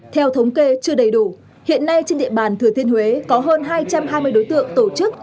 theo thống kê chưa đầy đủ hiện nay trên địa bàn thừa thiên huế có hơn hai trăm hai mươi đối tượng tổ chức